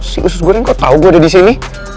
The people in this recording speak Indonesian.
si sus goreng kok tau gue ada di sini